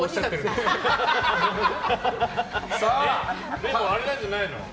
でもあれじゃないの。